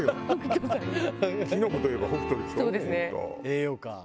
栄養価。